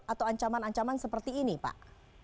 atau ancaman ancaman seperti ini pak